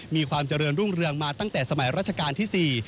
มีความเจริญรุ่งเรืองมาตั้งแต่สมัยราชการที่๔